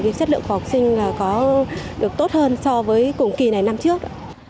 thì sức lượng của học sinh có được tốt hơn so với cùng kỳ này năm trước